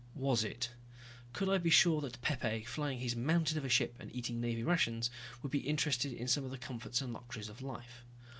Was it? Could I be sure that Pepe, flying his mountain of a ship and eating Navy rations, would be interested in some of the comforts and luxuries of life?